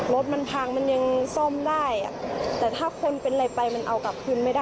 รถมันพังมันยังซ่อมได้แต่ถ้าคนเป็นอะไรไปมันเอากลับคืนไม่ได้